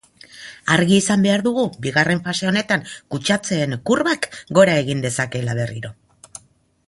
Argi izan behar dugu bigarren fase honetan kutsatzeen kurbak gora egin dezakeela berriro.